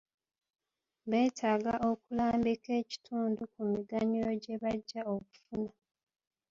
Betaaga okulambika ekitundu ku miganyulo gye bajja okufuna.